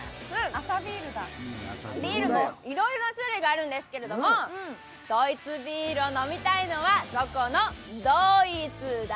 ビールもいろいろな種類があるんですけれどもドイツビールを飲みたいのはどこの「どいつ」だ？